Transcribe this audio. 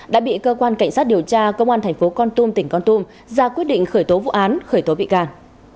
đã bị cơ quan cảnh sát điều tra công an thành phố con tum tỉnh con tum ra quyết định khởi tố vụ án khởi tố bị can